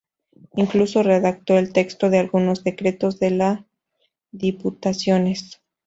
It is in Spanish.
Incluso redactó el texto de algunos decretos de las Diputaciones.